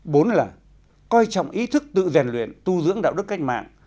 bốn là coi trọng ý thức tự rèn luyện tu dưỡng đạo đức cách mạng